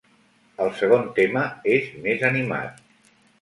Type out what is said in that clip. El segon tema és més animat.